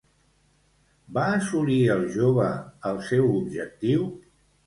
Va assolir el jove el seu objectiu?